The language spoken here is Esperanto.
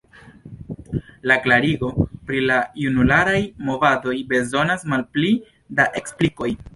La klarigo pri la junularaj movadoj bezonas malpli da eksplikoj.